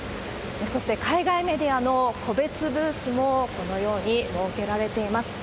そして海外メディアの個別ブースも、このように設けられています。